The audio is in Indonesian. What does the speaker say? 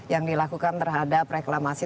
yang dilakukan terhadap reklamasi